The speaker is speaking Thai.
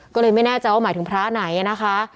ก็เลยไม่แน่ใจว่าหมายถึงพระไหนนะคะ